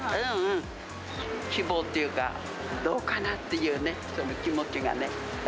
希望っていうか、どうかなっていうね、その気持ちがね。